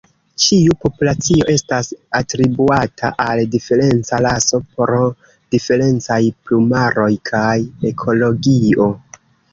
Ĉiu populacio estas atribuata al diferenca raso pro diferencaj plumaroj kaj ekologio.